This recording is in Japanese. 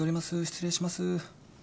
失礼します。